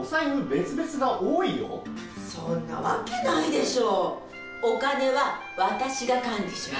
そんなわけないでしょ！